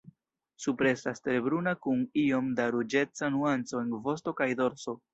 Supre estas tre bruna kun iom da ruĝeca nuanco en vosto kaj dorso.